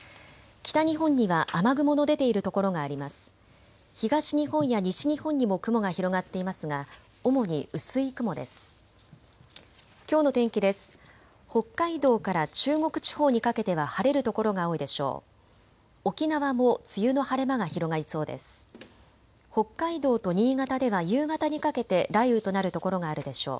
北海道から中国地方にかけては晴れるところが多いでしょう。